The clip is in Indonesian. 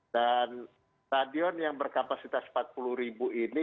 dan stadion yang berkapasitas empat puluh ribu ini